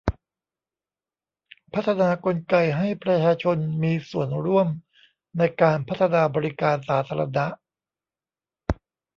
พัฒนากลไกให้ประชาชนมีส่วนร่วมในการพัฒนาบริการสาธารณะ